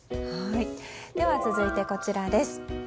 続いて、こちらです。